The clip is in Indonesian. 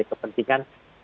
saya sementara ini